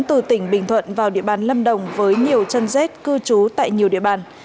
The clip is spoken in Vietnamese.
từ tỉnh bình thuận vào địa bàn lâm đồng với nhiều chân dết cư trú tại nhiều địa bàn